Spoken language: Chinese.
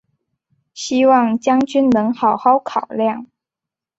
希望将军能好好考量！